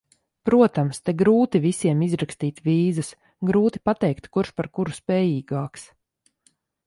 Protams, te grūti visiem izrakstīt vīzas, grūti pateikt, kurš par kuru spējīgāks.